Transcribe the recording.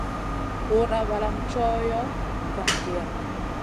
Bùra valam ma tchoho zangiya.